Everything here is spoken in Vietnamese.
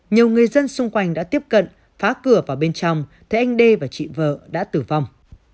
nhiều người dân xung quanh đã tiếp cận phá cửa vào bên trong thấy anh đê và chị vợ đã tử vong